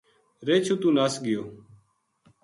رچھ اُتو نس گیو